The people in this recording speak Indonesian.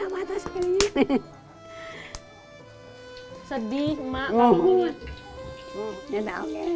abah tidak mau ke rumah